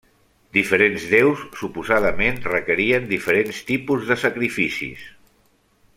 Diferents déus suposadament requerien diferents tipus de sacrificis.